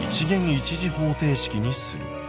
一次方程式にする」。